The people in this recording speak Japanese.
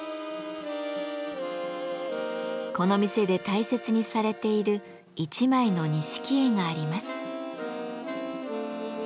この店で大切にされている一枚の錦絵があります。